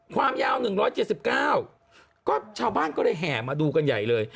ความยาว๑๗๙ก็ชาวบ้านก็เลยแห่มาดูกันใหญ่เลย